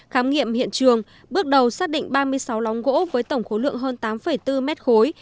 khám nghiệm hiện trường bước đầu xác định ba mươi sáu lóng gỗ với tổng khối lượng hơn tám bốn mét khối